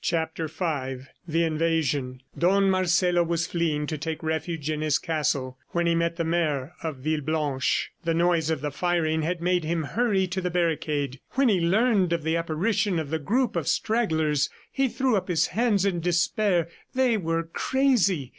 CHAPTER V THE INVASION Don Marcelo was fleeing to take refuge in his castle when he met the mayor of Villeblanche. The noise of the firing had made him hurry to the barricade. When he learned of the apparition of the group of stragglers he threw up his hands in despair. They were crazy.